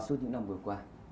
suốt những năm vừa qua